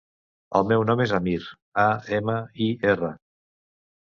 El meu nom és Amir: a, ema, i, erra.